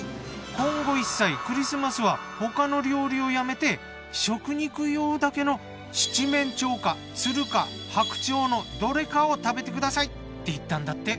今後一切クリスマスは他の料理をやめて食肉用だけの「七面鳥」か「鶴」か「白鳥」のどれかを食べて下さいって言ったんだって。